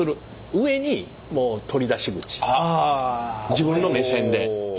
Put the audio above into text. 自分の目線で。